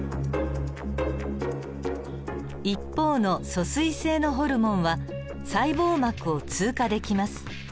一方の疎水性のホルモンは細胞膜を通過できます。